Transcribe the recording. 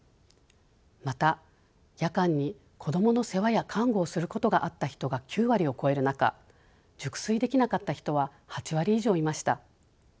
また夜間に子どもの世話や看護をすることがあった人が９割を超える中熟睡できなかった人は８割以上いました。